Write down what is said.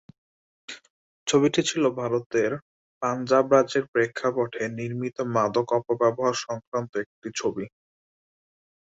ছবিটি ছিল ভারতের পাঞ্জাব রাজ্যের প্রেক্ষাপটে নির্মিত মাদক অপব্যবহার-সংক্রান্ত একটি ছবি।